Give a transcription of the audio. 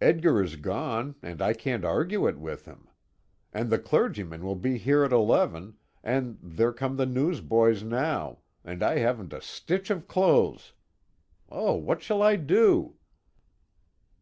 Edgar is gone, and I can't argue it with him. And the clergyman will be here at eleven, and there come the newsboys now, and I haven't a stitch of clothes! Oh, what shall I do?"